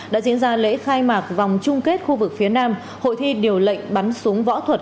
đã diễn ra lễ khai mạc vòng chung kết khu vực phía nam hội thi điều lệnh bắn súng võ thuật